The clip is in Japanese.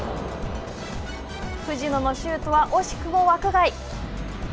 藤野のシュートは惜しくも枠外。